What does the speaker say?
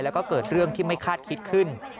แล้วก็เกิดเรื่องที่ไม่คาดคิดขึ้น